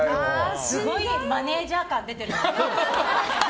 すごいマネジャー感出てるよね。